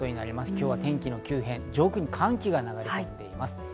今日は天気の急変、上空に寒気が流れ込んでいます。